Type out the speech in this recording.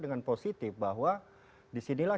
dengan positif bahwa disinilah